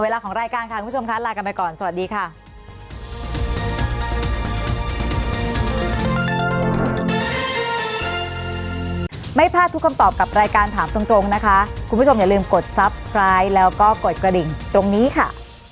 ของรายการค่ะคุณผู้ชมค่ะลากันไปก่อนสวัสดีค่ะ